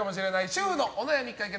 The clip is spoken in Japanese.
主婦のお悩み解決！